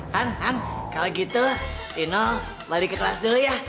han han kalau gitu di nol balik ke kelas dulu ya